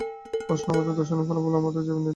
প্রশ্ন আপনাদের দর্শনের ফলাফল আমরা জানিতে চাই।